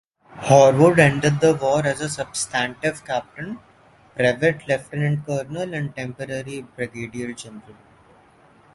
Horwood ended the war as a substantive captain, brevet lieutenant-colonel and temporary brigadier-general.